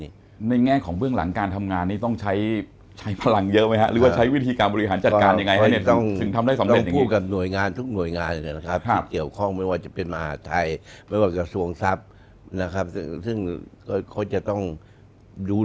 นี่แหละในแง่ของเรื่องหลังการทำงานนี้ต้องใช้พลังเยอะไหมฮะหรือว่าใช้วิธีการบริหารจัดการยังไง